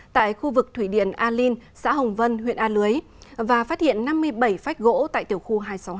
tại khu vực thủy điện a linh xã hồng vân huyện a lưới và phát hiện năm mươi bảy phách gỗ tại tiểu khu hai trăm sáu mươi hai